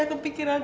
saya kepikiran ibu